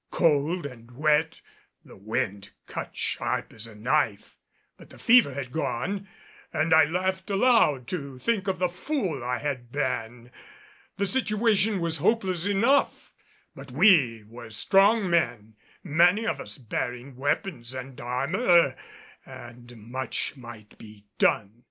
Cold and wet, the wind cut sharp as a knife, but the fever had gone, and I laughed aloud to think of the fool I had been. The situation was hopeless enough, but we were strong men, many of us bearing weapons and armor, and much might be done.